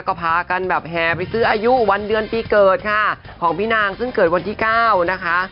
ก็พากันแบบแห่ไปซื้ออายุวันเดือนปีเกิดค่ะของพี่นางซึ่งเกิดวันที่เก้านะคะ